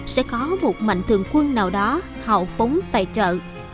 sẽ có một mạnh thường quân nào đó hào phóng tài trợ